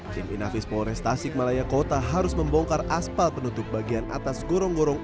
tim inafis polres tasik malaya kota harus membongkar aspal penutup bagian atas gorong gorong